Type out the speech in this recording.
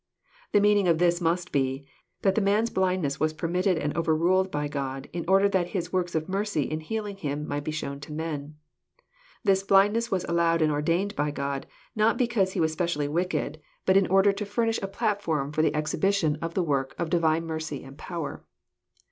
"] The meaning of this must be, that the man's blindness was permitted and overruled by God, in order that His works of mercy in healing him might be shown to men. This blindness was allowed and ordained by God, not because he was specially wicked, bat in 1 142 EXPOSITORY THOUGHTS. order to Airnish a platform for the exhibition of a work of BU vine mercy and power.